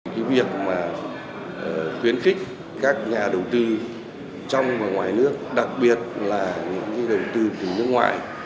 cái việc mà tuyến khích các nhà đầu tư trong và ngoài nước đặc biệt là những cái đầu tư từ nước ngoài